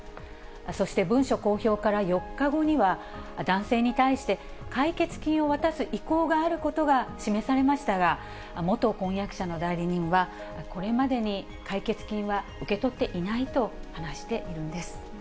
そして、文書公表から４日後には、男性に対して、解決金を渡す意向があることが示されましたが、元婚約者の代理人は、これまでに解決金は受け取っていないと話しているんです。